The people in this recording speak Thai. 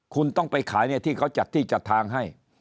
คุณต้องไปขายในที่เขาจัดที่จัดทางให้